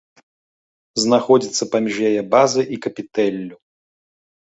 Знаходзіцца паміж яе базай і капітэллю.